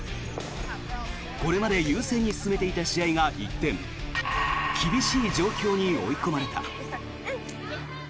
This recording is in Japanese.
これまで優勢に進めていた試合が一転厳しい状況に追い込まれた。